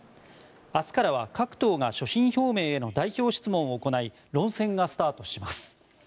明日からは各党が所信表明への代表質問を行い論戦がスタートします。